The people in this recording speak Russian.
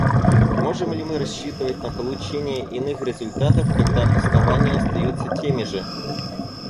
Можем ли мы рассчитывать на получение иных результатов, когда основания остаются теми же?